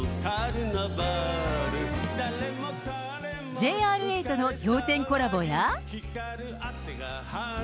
ＪＲＡとの仰天コラボや。